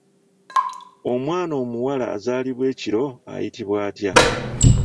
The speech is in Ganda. Omwana omuwala azaalibwa ekiro ayitibwa atya?